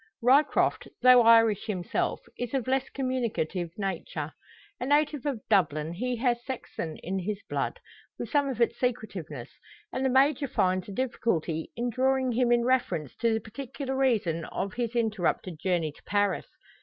Ryecroft, though Irish himself, is of less communicative nature. A native of Dublin, he has Saxon in his blood, with some of its secretiveness; and the Major finds a difficulty in drawing him in reference to the particular reason of his interrupted journey to Paris.